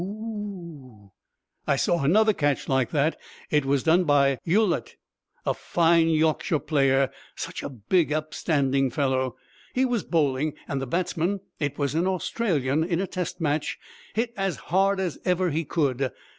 "Oo!" "I saw another catch like that. It was done by Ulyett, a fine Yorkshire player such a big, upstanding fellow. He was bowling, and the batsman it was an Australian in a test match hit as hard as ever he could.